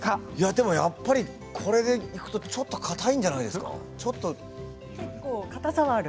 でもやっぱりこれでいくとちょっとかたいんじゃないですか。